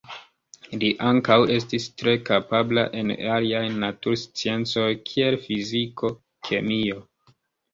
Li ankaŭ estis tre kapabla en aliaj natursciencoj kiel fiziko, kemio.